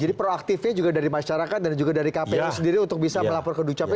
jadi proaktifnya juga dari masyarakat dan juga dari kpu sendiri untuk bisa melapor ke dukcapil